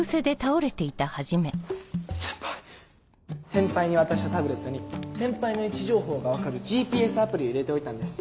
先輩に渡したタブレットに先輩の位置情報が分かるＧＰＳアプリを入れておいたんです。